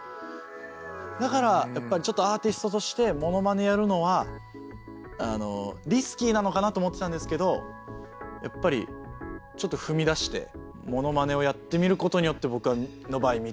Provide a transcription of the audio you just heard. だからやっぱりちょっとアーティストとしてモノマネやるのはリスキーなのかなと思ってたんですけどやっぱりちょっと踏み出してモノマネをやってみることによって僕の場合道が開けたので。